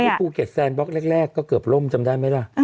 ภูเก็ตแซนบล็อกแรกก็เกือบล่มจำได้ไหมล่ะ